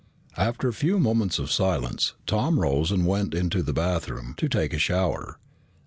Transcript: After a few moments of silence, Tom rose and went into the bathroom to take a shower.